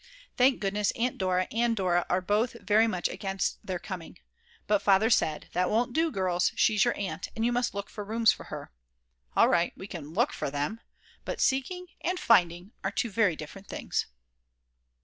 Thank goodness Aunt Dora and Dora are both very much against their coming. But Father said: That won't do girls, she's your aunt, and you must look for rooms for her. All right, we can look for them; but seeking and finding are two very different things.